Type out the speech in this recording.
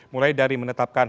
mulai dari menetapkan